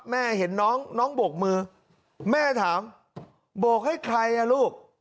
แม่เห็นน้องน้องโบกมือแม่ถามโบกให้ใครอ่ะลูก